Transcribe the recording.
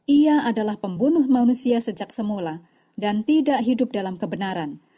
ia adalah pembunuh manusia sejak semula dan tidak hidup dalam kebenaran